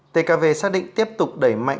tkv xác định tiếp tục đẩy mạnh